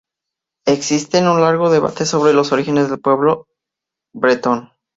Existe un largo debate sobre los orígenes del pueblo bretón.